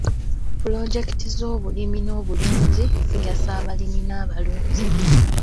Pulojekiti z'obulimi n'obulunzi zigasa abalimi n'abalunzi.